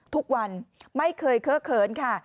ทุกวันไม่เคยเค้อเขินค่ะ